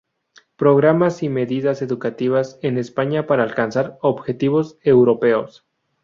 Programas y medidas educativas en España para alcanzar objetivos europeos.